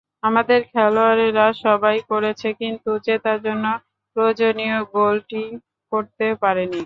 আমাদের খেলোয়াড়েরা সবই করেছে, কিন্তু জেতার জন্য প্রয়োজনীয় গোলটিই করতে পারেনি।